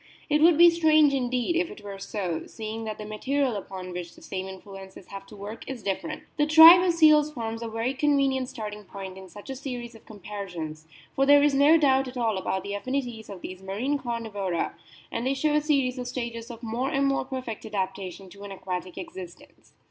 It would be strange indeed if it were so, seeing that the material upon which the same influences have to work is different. The tribe of seals forms a very convenient starting point in such a series of comparisons, for there is no doubt at all about the affinities of these marine Carnivora, and they show a series of stages of more and more perfect adaptation to an aquatic existence.